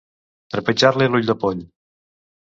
Trepitjar-li l'ull de poll.